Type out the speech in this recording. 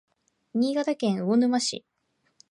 新潟県魚沼市